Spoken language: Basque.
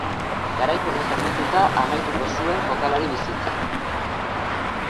Garaipenez hornituta amaituko zuen jokalari bizitza.